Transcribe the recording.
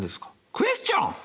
クエスチョン！